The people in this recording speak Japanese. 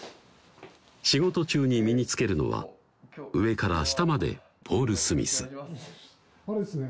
仕事中に身につけるのは上から下までポール・スミスあれですね